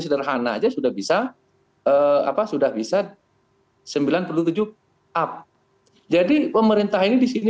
sederhana aja sudah bisa apa sudah bisa sembilan puluh tujuh up jadi pemerintah ini di sini